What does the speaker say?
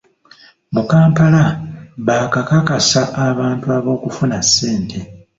Mu Kampala baakakakasa abantu ab’okufuna ssente.